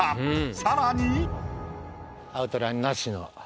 さらに。